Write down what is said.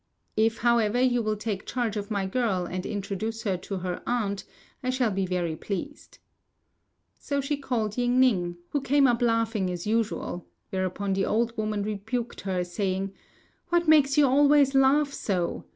If, however, you will take charge of my girl and introduce her to her aunt, I shall be very pleased." So she called Ying ning, who came up laughing as usual; whereupon the old woman rebuked her, saying, "What makes you always laugh so?